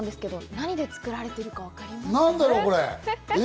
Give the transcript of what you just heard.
何で作られているかわかりますか？